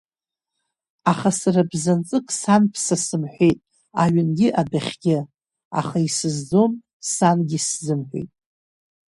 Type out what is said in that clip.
Аха сара бзанҵык санԥса сымҳәеит аҩынгьы адәахьгьы аха, исызӡом сангьы сзымҳәеит.